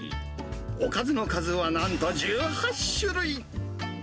おかずの数はなんと１８種類。